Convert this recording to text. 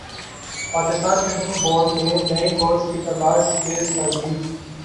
Pakistan cricket board نے نئے coach کی تلاش تیز کر دی